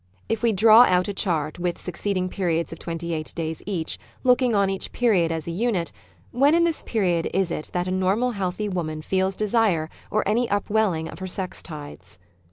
If we draw out a chart with succeeding periods of twenty eight days each, looking on each period as a unit : When in this period is it that a normal healthy woman feels desire or any up welling of her sex tides